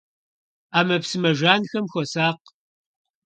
Ӏэмэпсымэ жанхэм хуэсакъ.